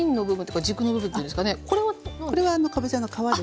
これはかぼちゃの皮ですよまた。